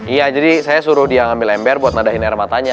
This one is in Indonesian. iya jadi saya suruh dia ngambil ember buat nadain air matanya